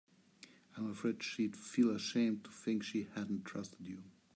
I'm afraid she'd feel ashamed to think she hadn't trusted you.